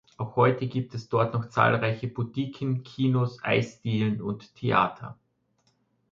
Auch heute gibt es dort noch zahlreiche Boutiquen, Kinos, Eisdielen und Theater.